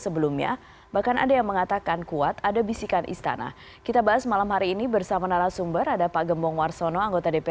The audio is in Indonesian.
bagaimana dengan kebijakan kebijakan ya pak gembong